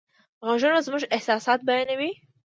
غږونه زموږ احساسات بیانوي.